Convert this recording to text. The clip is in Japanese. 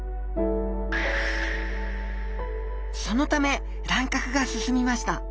そのため乱獲が進みました。